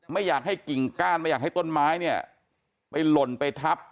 ไม่อยากให้กิ่งก้านไม่อยากให้ต้นไม้เนี่ยไปหล่นไปทับ